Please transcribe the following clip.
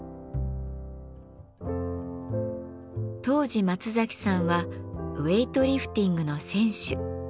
当時松さんはウエイトリフティングの選手。